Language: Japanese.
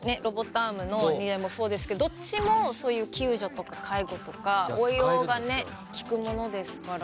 アームのそうですけどどっちもそういう救助とか介護とか応用がねきくものですから。